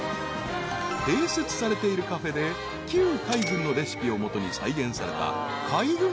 ［併設されているカフェで旧海軍のレシピを基に再現された］